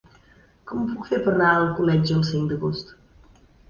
Com ho puc fer per anar a Alcoletge el cinc d'agost?